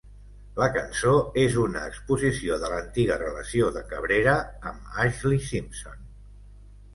La cançó es una exposició de l'antiga relació de Cabrera amb Ashlee Simpson.